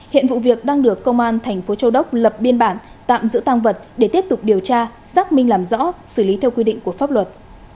hiện vụ việc đang được công an thành phố châu đốc lập biên bản tạm giữ tăng vật để tiếp tục điều tra xác minh làm rõ xử lý theo quy định của pháp luật